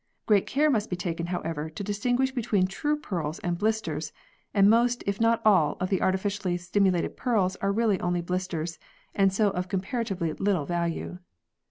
Great care must be taken, however, to distinguish between true pearls and blisters, and most, if not all, of the artificially stimulated pearls are really only blisters, and so of comparatively little value.